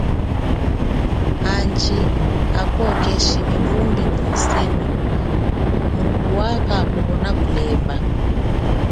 Andji, ako keshi vumbi nyi yisemi mumu wa kha? kuhonakulemba.